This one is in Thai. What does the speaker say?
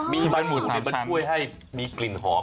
มีมันหุดมันช่วยให้มีกลิ่นหอม